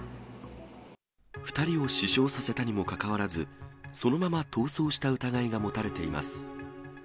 ２人を死傷させたにもかかわらず、そのまま逃走した疑いが持たれています。